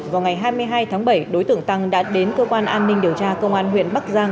vào ngày hai mươi hai tháng bảy đối tượng tăng đã đến cơ quan an ninh điều tra công an huyện bắc giang